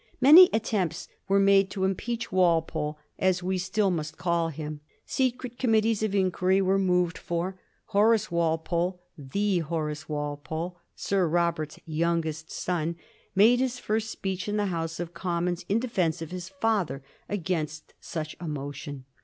Many attempts were made to impeach Walpole, as we still must call him. Secret committees of inquiry were moved for. Horace Walpole, the Horace Walpole, Sir Robert's youngest son, made his first speech in the House of Commons, in defence of his father, against such a mo tion.